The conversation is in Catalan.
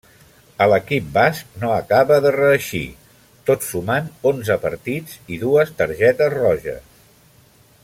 A l'equip basc no acaba de reeixir, tot sumant onze partits i dues targetes roges.